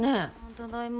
ただいま。